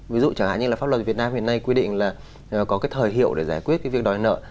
ví dụ chẳng hạn như là pháp luật việt nam hiện nay quy định là có cái thời hiệu để giải quyết cái việc đòi nợ